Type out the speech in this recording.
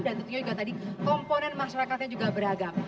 dan tentunya juga tadi komponen masyarakatnya juga beragam